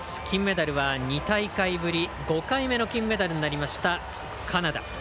金メダルは２大会ぶり５回目の金メダルのカナダ。